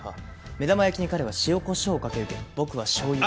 目玉焼きに彼は塩コショウをかけるけど僕は醤油を。